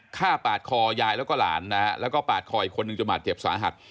ฆ่าปาดคอยายแล้วก็หลานนะฮะแล้วก็ปาดคออีกคนนึงจนบาดเจ็บสาหัส